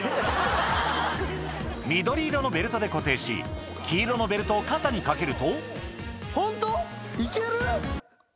緑色のベルトで固定し黄色のベルトを肩にかけるとホント？